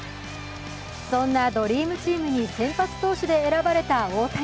そんなドリームチームに先発投手で選ばれた大谷。